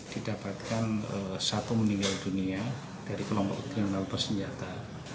didapatkan satu meninggal dunia dari kelompok kriminal bersenjata